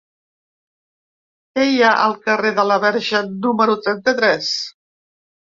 Què hi ha al carrer de la Verge número trenta-tres?